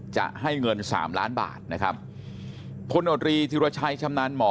จะให้เงินสามล้านบาทนะครับพลโนตรีธิรชัยชำนาญหมอ